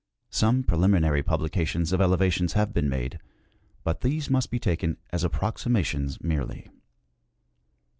Some preliminary publications of elevations have been made, but these must be taken as ap proximations merely.